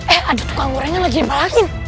eh ada tukang gorengan lagi yang balakin